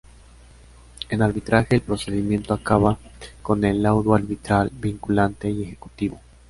En arbitraje el procedimiento acaba con el laudo arbitral vinculante y ejecutivo.